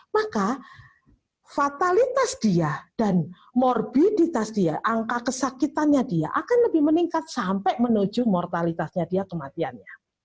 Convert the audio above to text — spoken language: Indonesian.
maka fatalitas dia dan morbiditas dia angka kesakitannya dia akan lebih meningkat sampai menuju mortalitasnya dia kematiannya